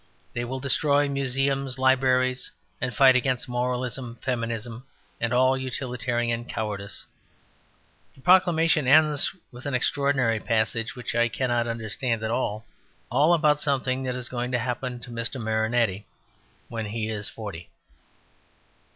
They will "destroy museums, libraries, and fight against moralism, feminism, and all utilitarian cowardice." The proclamation ends with an extraordinary passage which I cannot understand at all, all about something that is going to happen to Mr. Marinetti when he is forty.